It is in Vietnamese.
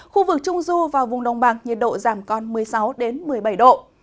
khu vực trung du và vùng đồng bằng nhiệt độ giảm còn một mươi sáu một mươi bảy độ